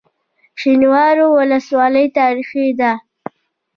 شینوارو ولسوالۍ تاریخي ده؟